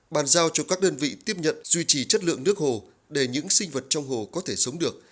bàn giao cho các đơn vị tiếp nhận duy trì chất lượng nước hồ để những sinh vật trong hồ có thể sống được